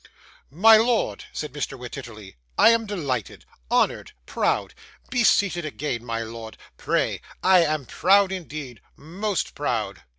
'My lord,' said Mr. Wititterly, 'I am delighted honoured proud. Be seated again, my lord, pray. I am proud, indeed most proud.